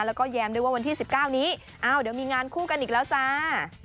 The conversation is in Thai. แล้วก็แย้มด้วยว่าวันที่๑๙นี้อ้าวเดี๋ยวมีงานคู่กันอีกแล้วจ้า